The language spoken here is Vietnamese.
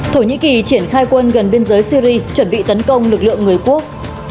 thổ nhĩ kỳ triển khai quân gần biên giới syri chuẩn bị tấn công lực lượng người quốc